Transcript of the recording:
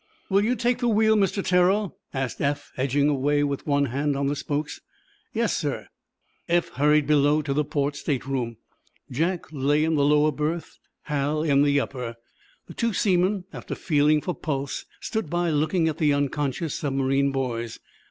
"Will you take the wheel, Mr. Terrell?" asked Eph, edging away, with one hand on the spokes. "Yes, sir." Eph hurried below to the port stateroom. Jack lay in the lower berth, Hal in the upper. The two seamen, after feeling for pulse, stood by looking at the unconscious submarine boys.